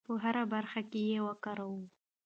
په هره برخه کې یې وکاروو.